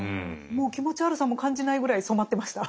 もう気持ち悪さも感じないぐらい染まってました。